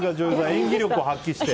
演技力発揮して。